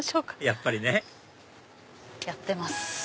やっぱりねやってます。